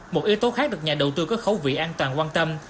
một yếu tố khác được nhà đầu tư có khấu vị an toàn quan tâm